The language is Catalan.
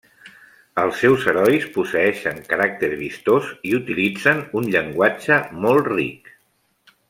Els seus herois posseeixen caràcter vistós i utilitzen un llenguatge molt ric.